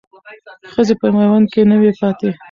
ښځې په میوند کې نه وې پاتې.